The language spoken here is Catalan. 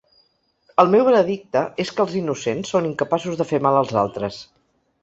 El meu veredicte és que els innocents són incapaços de fer mal als altres.